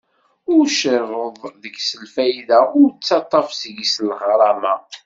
Ur cerreḍ deg-s lfayda, ur ttaṭṭaf seg-s leɣrama.